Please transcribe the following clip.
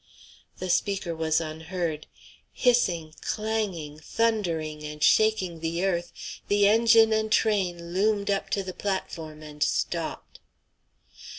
The speaker was unheard. Hissing, clanging, thundering, and shaking the earth, the engine and train loomed up to the platform and stopped.